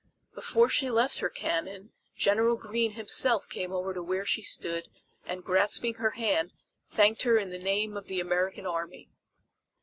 Before she left her cannon General Greene himself came over to where she stood and grasping her hand thanked her in the name of the American Army.